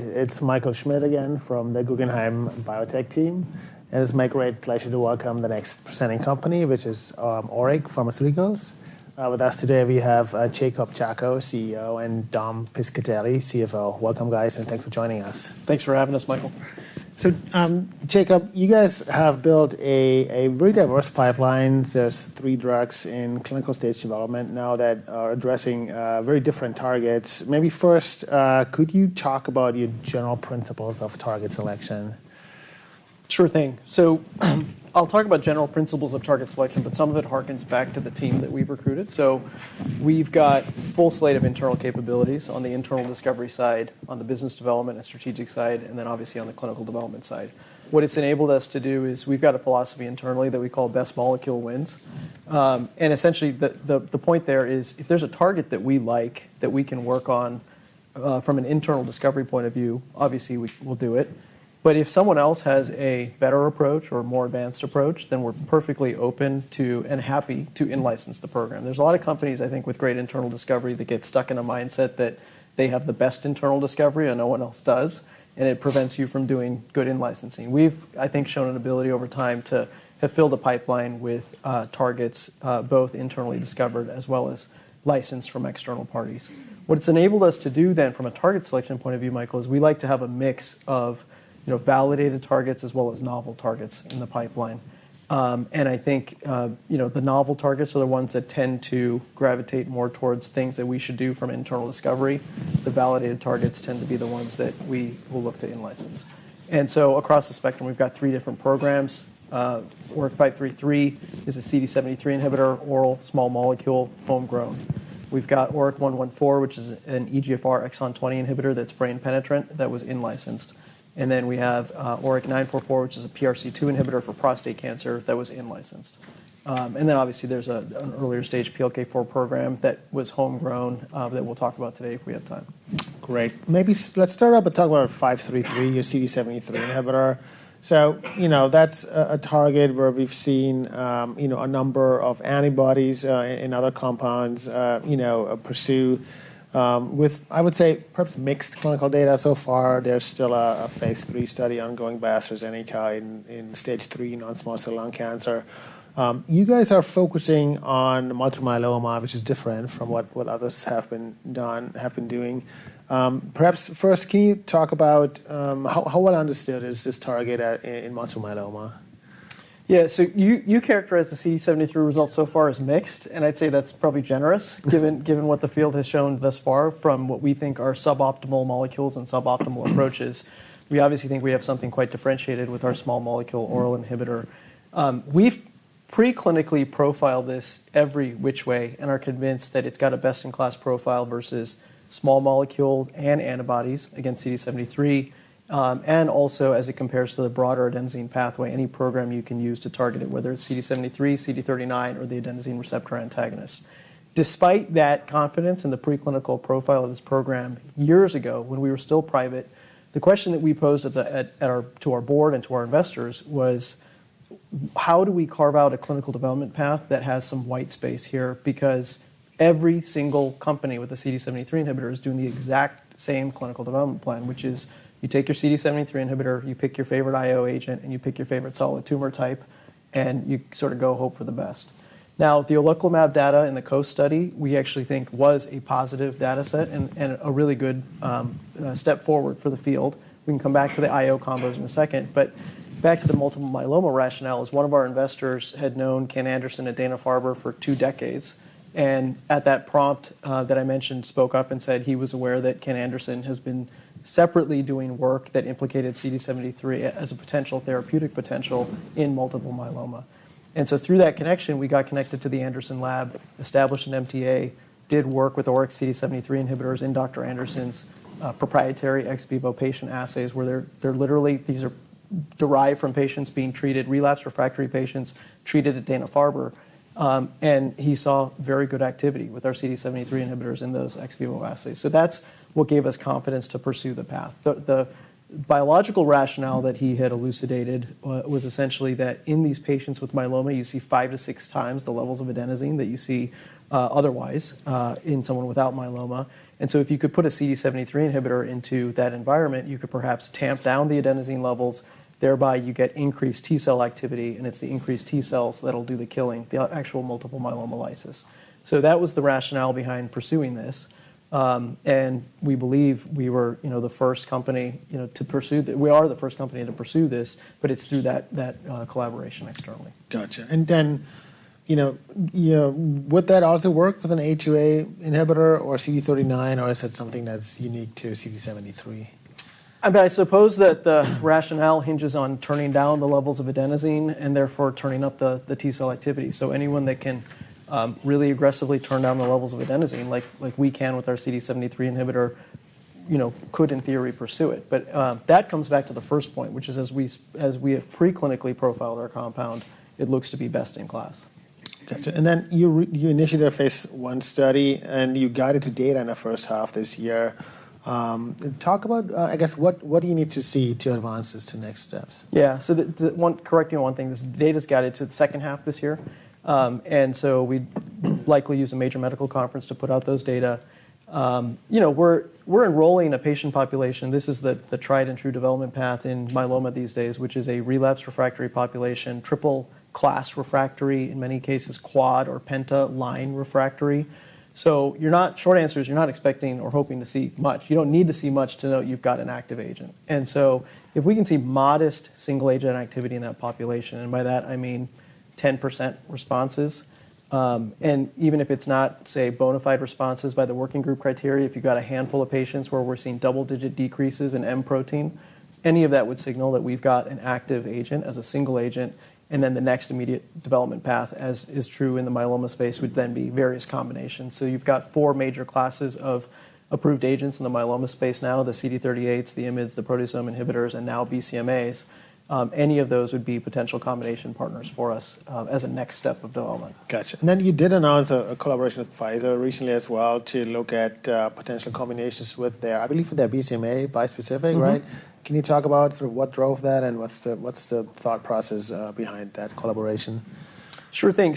It's Michael Schmidt again from the Guggenheim Biotech team, and it's my great pleasure to welcome the next presenting company, which is ORIC Pharmaceuticals. With us today we have Jacob Chacko, CEO, and Dominic Piscitelli, CFO. Welcome, guys, and thanks for joining us. Thanks for having us, Michael. Jacob, you guys have built a very diverse pipeline. There's 3 drugs in clinical stage development now that are addressing very different targets. Maybe first, could you talk about your general principles of target selection? Sure thing. I'll talk about general principles of target selection, but some of it harkens back to the team that we've recruited. We've got full slate of internal capabilities on the internal discovery side, on the Business Development and strategic side, and then obviously on the clinical development side. What it's enabled us to do is we've got a philosophy internally that we call Best Molecule Wins. Essentially, the point there is if there's a target that we like that we can work on, from an internal discovery point of view, obviously we will do it. If someone else has a better approach or more advanced approach, then we're perfectly open to and happy to in-license the program. There's a lot of companies, I think, with great internal discovery that get stuck in a mindset that they have the best internal discovery and no one else does, and it prevents you from doing good in-licensing. We've, I think, shown an ability over time to fill the pipeline with targets, both internally discovered as well as licensed from external parties. What it's enabled us to do then from a target selection point of view, Michael, is we like to have a mix of, you know, validated targets as well as novel targets in the pipeline. I think, you know, the novel targets are the ones that tend to gravitate more towards things that we should do from internal discovery. The validated targets tend to be the ones that we will look to in-license. Across the spectrum, we've got three different programs. ORIC-533 is a CD73 inhibitor, oral, small molecule, homegrown. We've got ORIC-114, which is an EGFR exon 20 inhibitor that's brain penetrant that was in-licensed. We have ORIC-944, which is a PRC2 inhibitor for prostate cancer that was in-licensed. Obviously there's a, an earlier stage PLK4 program that was homegrown, that we'll talk about today if we have time. Great. Maybe let's start out by talking about ORIC-533, your CD73 inhibitor. You know, that's a target where we've seen, you know, a number of antibodies in other compounds, you know, pursue with, I would say perhaps mixed clinical data so far. There's still a Phase 3 study ongoing by AstraZeneca in stage III non-small cell lung cancer. You guys are focusing on multiple myeloma, which is different from what others have been doing. Perhaps first, can you talk about how well understood is this target in multiple myeloma? You characterized the CD73 results so far as mixed, and I'd say that's probably generous given what the field has shown thus far from what we think are suboptimal molecules and suboptimal approaches. We obviously think we have something quite differentiated with our small molecule oral inhibitor. We've pre-clinically profiled this every which way and are convinced that it's got a best-in-class profile versus small molecule and antibodies against CD73, and also as it compares to the broader adenosine pathway, any program you can use to target it, whether it's CD73, CD39, or the adenosine receptor antagonist. Despite that confidence in the preclinical profile of this program, years ago, when we were still private, the question that we posed at our board and to our investors was, how do we carve out a clinical development path that has some white space here? Every single company with a CD73 inhibitor is doing the exact same clinical development plan, which is you take your CD73 inhibitor, you pick your favorite IO agent, and you pick your favorite solid tumor type, and you sort of go hope for the best. The oleclumab data in the COAST study, we actually think was a positive data set and a really good step forward for the field. We can come back to the I-O combos in a second, but back to the multiple myeloma rationale, as one of our investors had known Ken Anderson at Dana-Farber for two decades, at that prompt that I mentioned, spoke up and said he was aware that Ken Anderson has been separately doing work that implicated CD73 as a potential therapeutic potential in multiple myeloma. Through that connection, we got connected to the Anderson lab, established an MTA, did work with ORIC CD73 inhibitors in Dr. Anderson's proprietary ex vivo patient assays, where they're literally these are derived from patients being treated, relapse/refractory patients treated at Dana-Farber. He saw very good activity with our CD73 inhibitors in those ex vivo assays. That's what gave us confidence to pursue the path. The biological rationale that he had elucidated was essentially that in these patients with myeloma, you see five to six times the levels of adenosine that you see otherwise in someone without myeloma. If you could put a CD73 inhibitor into that environment, you could perhaps tamp down the adenosine levels, thereby you get increased T cell activity, and it's the increased T cells that'll do the killing, the actual multiple myeloma lysis. That was the rationale behind pursuing this. We believe we are the first company to pursue this, but it's through that collaboration externally. Gotcha. You know, would that also work with an A2A inhibitor or CD39, or is that something that's unique to CD73? I mean, I suppose that the rationale hinges on turning down the levels of adenosine and therefore turning up the T cell activity. Anyone that can really aggressively turn down the levels of adenosine like we can with our CD73 inhibitor, you know, could in theory pursue it. That comes back to the first point, which is as we have pre-clinically profiled our compound, it looks to be best in class. Gotcha. You initiated a Phase I study, and you guided to data in the first half this year. Talk about, I guess, what do you need to see to advance this to next steps? Correct me on one thing. This data's guided to the second half this year. We likely use a major medical conference to put out those data. You know, we're enrolling a patient population. This is the tried and true development path in myeloma these days, which is a relapse refractory population, triple-class refractory, in many cases, quad or penta-line refractory. Short answer is you're not expecting or hoping to see much. You don't need to see much to know you've got an active agent. If we can see modest single-agent activity in that population, and by that I mean 10% responses, and even if it's not, say, bona fide responses by the working group criteria, if you've got a handful of patients where we're seeing double digit decreases in M-protein, any of that would signal that we've got an active agent as a single agent, and then the next immediate development path, as is true in the myeloma space, would then be various combinations. You've got four major classes of approved agents in the myeloma space now, the CD38s, the IMiDs, the proteasome inhibitors, and now BCMAs. Any of those would be potential combination partners for us, as a next step of development. Gotcha. You did announce a collaboration with Pfizer recently as well to look at potential combinations with their, I believe with their BCMA bispecific, right? Mm-hmm. Can you talk about sort of what drove that and what's the thought process behind that collaboration? Sure thing.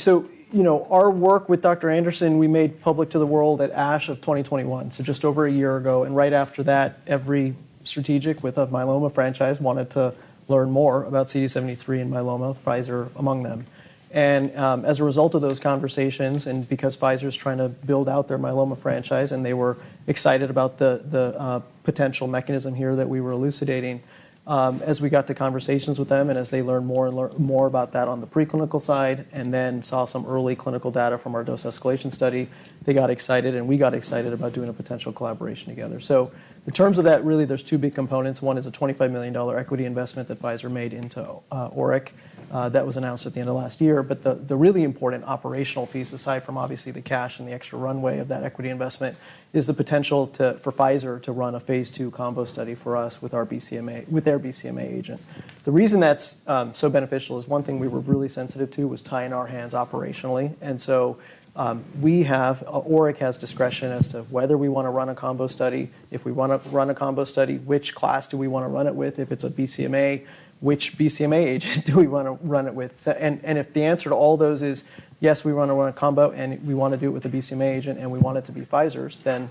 You know, our work with Dr. Anderson, we made public to the world at ASH of 2021, just over a year ago. Right after that, every strategic with a myeloma franchise wanted to learn more about CD73 and myeloma, Pfizer among them. As a result of those conversations, and because Pfizer is trying to build out their myeloma franchise and they were excited about the potential mechanism here that we were elucidating, as we got to conversations with them and as they learned more about that on the preclinical side, and then saw some early clinical data from our dose escalation study, they got excited, and we got excited about doing a potential collaboration together. In terms of that, really, there's two big components. One is a $25 million equity investment that Pfizer made into ORIC. That was announced at the end of last year. The really important operational piece, aside from obviously the cash and the extra runway of that equity investment, is the potential for Pfizer to run a Phase II combo study for us with their BCMA agent. The reason that's so beneficial is one thing we were really sensitive to was tying our hands operationally. ORIC has discretion as to whether we wanna run a combo study. If we wanna run a combo study, which class do we wanna run it with? If it's a BCMA, which BCMA agent do we wanna run it with? If the answer to all those is, "Yes, we wanna run a combo, and we wanna do it with a BCMA agent, and we want it to be Pfizer's," then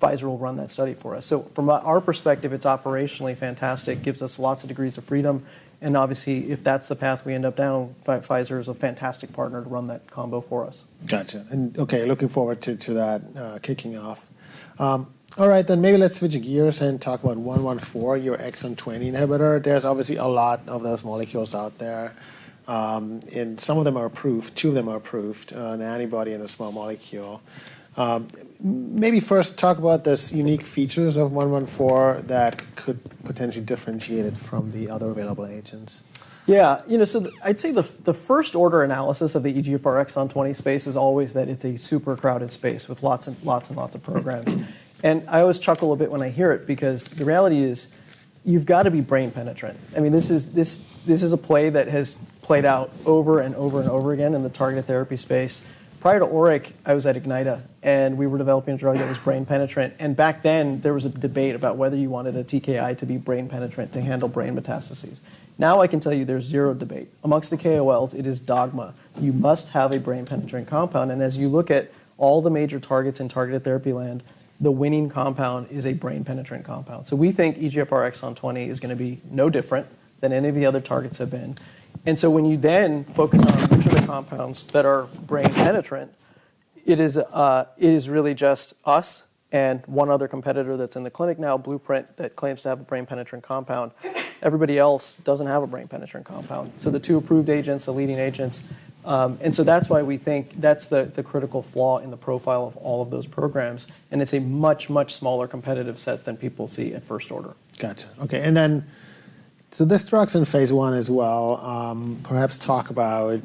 Pfizer will run that study for us. From our perspective, it's operationally fantastic, gives us lots of degrees of freedom. Obviously, if that's the path we end up down, Pfizer is a fantastic partner to run that combo for us. Gotcha. Okay, looking forward to that kicking off. All right, maybe let's switch gears and talk about ORIC-114, your EGFR exon 20 inhibitor. There's obviously a lot of those molecules out there, and some of them are approved, 2 of them are approved, an antibody and a small molecule. Maybe first talk about those unique features of ORIC-114 that could potentially differentiate it from the other available agents. You know, I'd say the first order analysis of the EGFR exon 20 space is always that it's a super crowded space with lots and lots of programs. I always chuckle a bit when I hear it because the reality is you've got to be brain penetrant. I mean, this is a play that has played out over and over again in the targeted therapy space. Prior to ORIC, I was at Ignyta, and we were developing a drug that was brain penetrant. Back then, there was a debate about whether you wanted a TKI to be brain penetrant to handle brain metastases. Now I can tell you there's zero debate. Amongst the KOLs, it is dogma. You must have a brain penetrant compound. As you look at all the major targets in targeted therapy land, the winning compound is a brain-penetrant compound. We think EGFR exon 20 is gonna be no different than any of the other targets have been. When you then focus on which of the compounds that are brain-penetrant, it is, it is really just us and one other competitor that's in the clinic now, Blueprint, that claims to have a brain-penetrant compound. Everybody else doesn't have a brain-penetrant compound. The two approved agents are leading agents. That's why we think that's the critical flaw in the profile of all of those programs, and it's a much, much smaller competitive set than people see at first order. Gotcha. Okay. This drug's in Phase I as well. Perhaps talk about,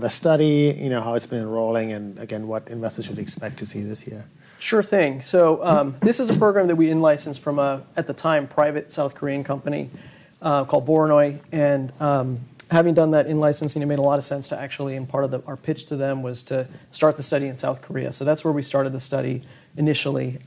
the study, you know, how it's been enrolling, and again, what investors should expect to see this year. Sure thing. This is a program that we in-licensed from a, at the time, private South Korean company, called Voronoi. Having done that in-licensing, it made a lot of sense to actually, and part of our pitch to them was to start the study in South Korea. That's where we started the study initially,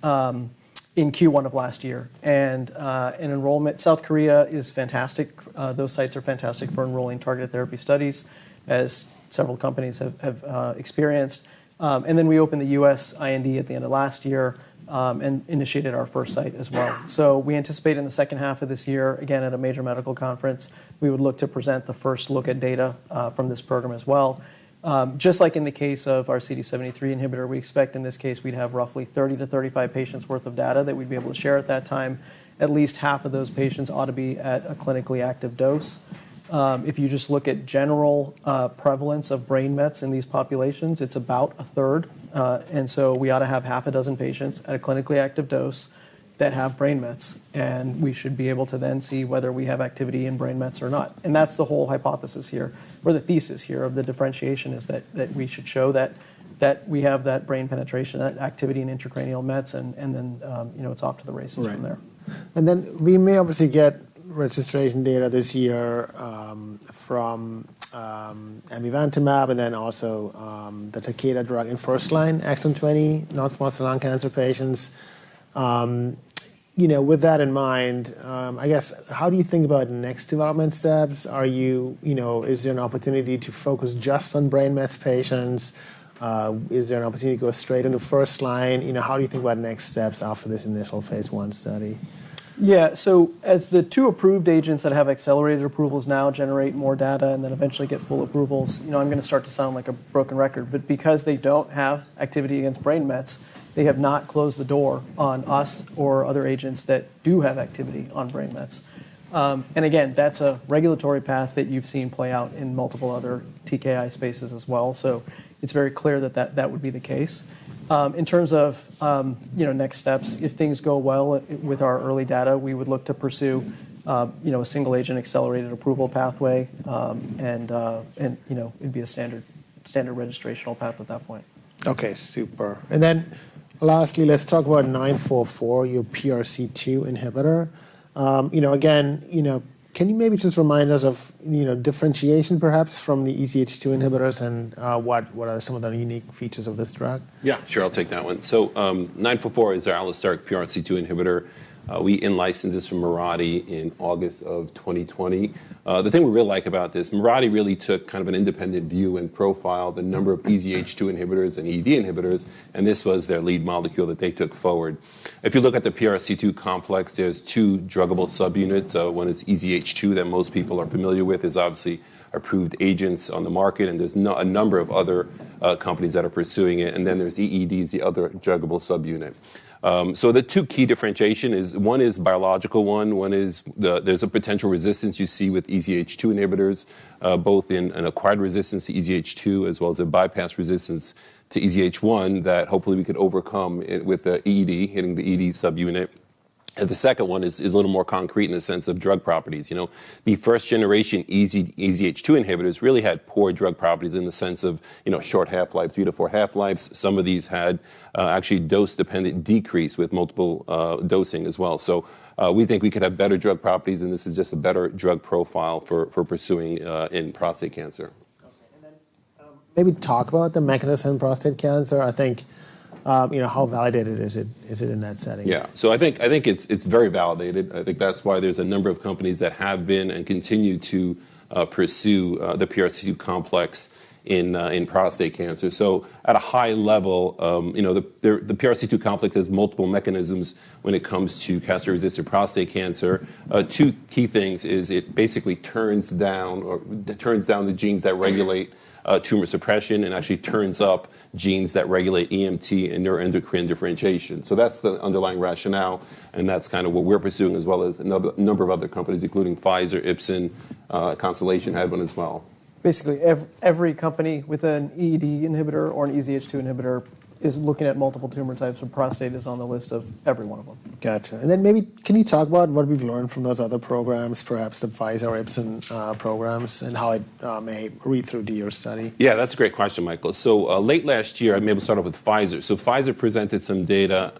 in Q1 of last year. Enrollment, South Korea is fantastic. Those sites are fantastic for enrolling targeted therapy studies, as several companies have experienced. We opened the U.S. IND at the end of last year, and initiated our first site as well. We anticipate in the second half of this year, again, at a major medical conference, we would look to present the first look at data from this program as well. Just like in the case of our CD73 inhibitor, we expect in this case we'd have roughly 30 to 35 patients worth of data that we'd be able to share at that time. At least half of those patients ought to be at a clinically active dose. If you just look at general prevalence of brain mets in these populations, it's about a third. We ought to have half a dozen patients at a clinically active dose that have brain mets, and we should be able to then see whether we have activity in brain mets or not. That's the whole hypothesis here, or the thesis here of the differentiation is that we should show that we have that brain penetration, that activity in intracranial mets, and then, you know, it's off to the races from there. Right. We may obviously get registration data this year, from amivantamab and then also, the Takeda drug in first line exon 20 non-small cell lung cancer patients. You know, with that in mind, I guess how do you think about next development steps? You know, is there an opportunity to focus just on brain mets patients? Is there an opportunity to go straight into first line? You know, how do you think about next steps after this initial Phase 1 study? Yeah. As the two approved agents that have accelerated approvals now generate more data and then eventually get full approvals, you know, I'm gonna start to sound like a broken record, because they don't have activity against brain mets, they have not closed the door on us or other agents that do have activity on brain mets. Again, that's a regulatory path that you've seen play out in multiple other TKI spaces as well. It's very clear that would be the case. In terms of, you know, next steps, if things go well with our early data, we would look to pursue, you know, a single agent accelerated approval pathway. You know, it'd be a standard registrational path at that point. Okay. Super. Lastly, let's talk about 944, your PRC2 inhibitor. you know, again, you know, can you maybe just remind us of, you know, differentiation perhaps from the EZH2 inhibitors and, what are some of the unique features of this drug? Sure. I'll take that one. ORIC-944 is our allosteric PRC2 inhibitor. We in-licensed this from Mirati in August of 2020. The thing we really like about this, Mirati really took kind of an independent view and profiled a number of EZH2 inhibitors and EED inhibitors, and this was their lead molecule that they took forward. If you look at the PRC2 complex, there's two druggable subunits. One is EZH2 that most people are familiar with. There's obviously approved agents on the market, and there's a number of other companies that are pursuing it. Then there's EED's, the other druggable subunit. The two key differentiation is one is biological one. One is the there's a potential resistance you see with EZH2 inhibitors, both in an acquired resistance to EZH2 as well as a bypass resistance to EZH1 that hopefully we can overcome it with the EED, hitting the EED subunit. The second one is a little more concrete in the sense of drug properties. You know, the first generation EZH2 inhibitors really had poor drug properties in the sense of, you know, short half-life, three to four half-lives. Some of these had, actually dose-dependent decrease with multiple dosing as well. We think we could have better drug properties, and this is just a better drug profile for pursuing in prostate cancer. Okay. Maybe talk about the mechanism in prostate cancer. I think, you know, how validated is it, is it in that setting? I think it's very validated. I think that's why there's a number of companies that have been and continue to pursue the PRC2 complex in prostate cancer. At a high level, you know, the PRC2 complex has multiple mechanisms when it comes to castrate-resistant prostate cancer. Two key things is it basically turns down the genes that regulate tumor suppression and actually turns up genes that regulate EMT and neuroendocrine differentiation. That's the underlying rationale, and that's kinda what we're pursuing, as well as a number of other companies, including Pfizer, Ipsen, Constellation have one as well. Every company with an EED inhibitor or an EZH2 inhibitor is looking at multiple tumor types, and prostate is on the list of every one of them. Gotcha. Then maybe can you talk about what we've learned from those other programs, perhaps the Pfizer or Ipsen programs, and how it may read through to your study? Yeah, that's a great question, Michael. late last year. Maybe I'll start off with Pfizer. Pfizer presented some data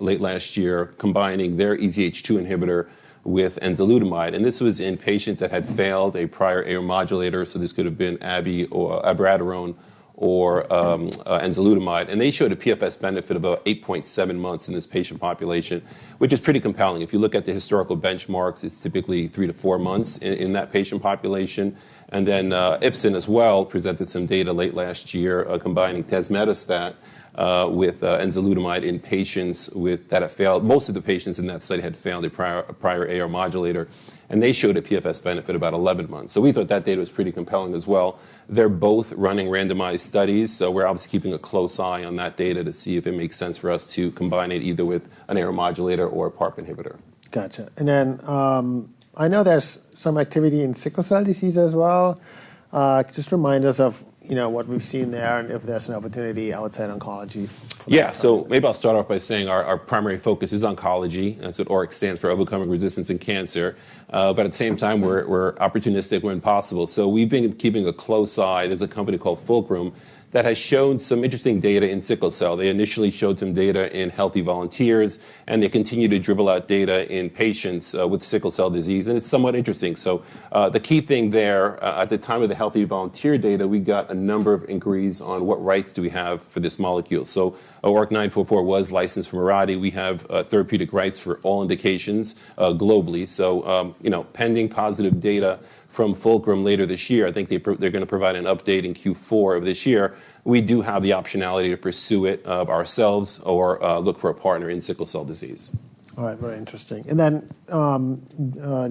late last year combining their EZH2 inhibitor with enzalutamide, and this was in patients that had failed a prior AR modulator, so this could have been Abi or abiraterone or enzalutamide. They showed a PFS benefit of about 8.7 months in this patient population, which is pretty compelling. If you look at the historical benchmarks, it's typically 3 to 4 months in that patient population. Ipsen as well presented some data late last year combining tazemetostat with enzalutamide in patients that have failed. Most of the patients in that study had failed a prior AR modulator, and they showed a PFS benefit about 11 months. We thought that data was pretty compelling as well. They're both running randomized studies, so we're obviously keeping a close eye on that data to see if it makes sense for us to combine it either with an AR modulator or a PARP inhibitor. Gotcha. I know there's some activity in sickle cell disease as well. Just remind us of, you know, what we've seen there and if there's an opportunity outside oncology. Maybe I'll start off by saying our primary focus is oncology. That's what ORIC stands for, Overcoming Resistance in Cancer. At the same time, we're opportunistic when possible. We've been keeping a close eye. There's a company called Fulcrum that has shown some interesting data in sickle cell. They initially showed some data in healthy volunteers, and they continue to dribble out data in patients with sickle cell disease, and it's somewhat interesting. The key thing there, at the time of the healthy volunteer data, we got a number of inquiries on what rights do we have for this molecule. ORIC-944 was licensed from Mirati. We have therapeutic rights for all indications globally. you know, pending positive data from Fulcrum later this year, I think they're gonna provide an update in Q4 of this year. We do have the optionality to pursue it ourselves or look for a partner in sickle cell disease. All right. Very interesting.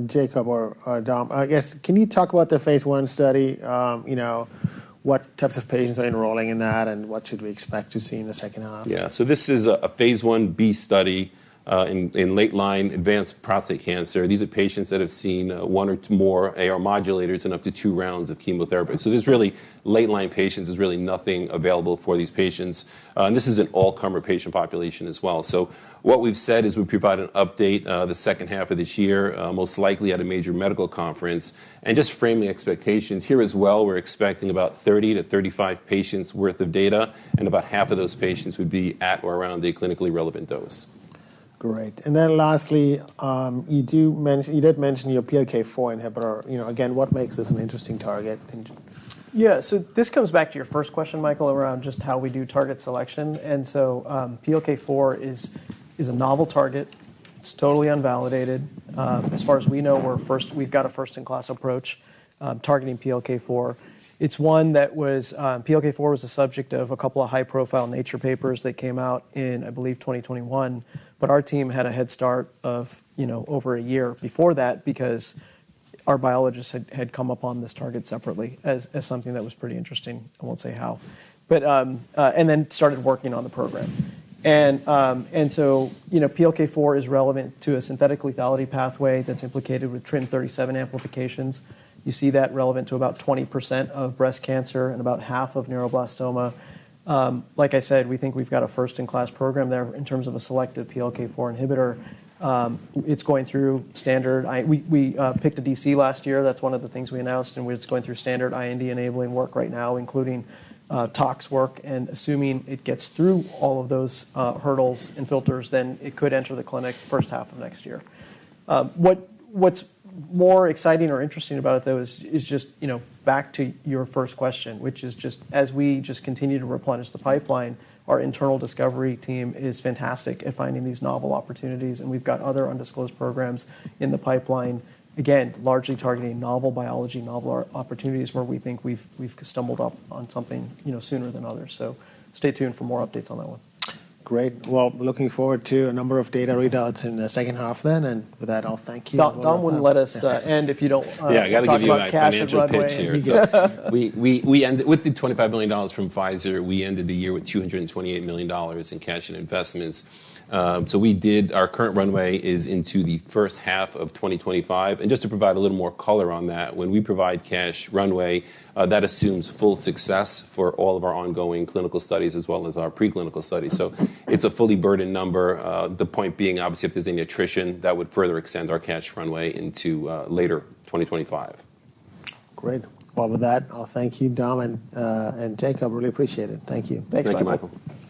Jacob or Dom, I guess can you talk about the Phase I study? You know, what types of patients are enrolling in that, and what should we expect to see in the second half? se 1b study in late-line advanced prostate cancer. These are patients that have seen one or two more AR modulators and up to two rounds of chemotherapy. There's really late-line patients. There's really nothing available for these patients. This is an all-comer patient population as well. What we've said is we'll provide an update the second half of this year, most likely at a major medical conference. Just framing expectations here as well, we're expecting about 30-35 patients' worth of data, and about half of those patients would be at or around the clinically relevant dose. Great. Lastly, you did mention your PLK4 inhibitor. You know, again, what makes this an interesting target and- This comes back to your first question, Michael, around just how we do target selection. PLK4 is a novel target. It's totally unvalidated. As far as we know, we've got a first-in-class approach targeting PLK4. PLK4 was the subject of a couple of high-profile Nature papers that came out in, I believe, 2021. Our team had a head start of, you know, over 1 year before that because our biologists had come upon this target separately as something that was pretty interesting. I won't say how. Started working on the program. You know, PLK4 is relevant to a synthetic lethality pathway that's implicated with TRIM37 amplifications. You see that relevant to about 20% of breast cancer and about 1/2 of neuroblastoma. Like I said, we think we've got a first-in-class program there in terms of a selective PLK4 inhibitor. We picked a DC last year. That's one of the things we announced. It's going through standard IND-enabling work right now, including tox work. Assuming it gets through all of those hurdles and filters, then it could enter the clinic first half of next year. What's more exciting or interesting about it, though, is just, you know, back to your first question, which is just as we continue to replenish the pipeline, our internal discovery team is fantastic at finding these novel opportunities. We've got other undisclosed programs in the pipeline, again, largely targeting novel biology, novel opportunities where we think we've stumbled up on something, you know, sooner than others. Stay tuned for more updates on that one. Great. Well, looking forward to a number of data readouts in the second half then. With that, I'll thank you. Dom wouldn't let us end. Yeah, I gotta give you a financial pitch here. Talk about cash and runway. We end With the $25 million from Pfizer, we ended the year with $228 million in cash and investments. Our current runway is into the first half of 2025. Just to provide a little more color on that, when we provide cash runway, that assumes full success for all of our ongoing clinical studies as well as our preclinical studies. It's a fully burdened number. The point being, obviously, if there's any attrition, that would further extend our cash runway into later 2025. Great. Well, with that, I'll thank you, Dom and Jake. I really appreciate it. Thank you. Thanks, Michael. Thank you, Michael.